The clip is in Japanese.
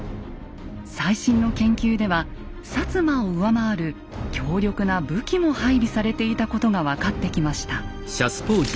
最新の研究では摩を上回る強力な武器も配備されていたことが分かってきました。